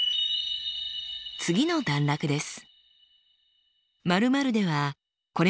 次の段落です。